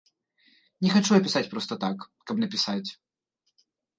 Не хачу я пісаць проста так, каб напісаць.